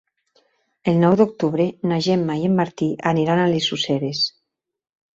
El nou d'octubre na Gemma i en Martí aniran a les Useres.